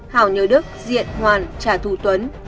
hảo nhớ đức diện hoàn trả thù tuấn